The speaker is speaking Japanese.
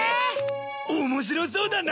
面白そうだな。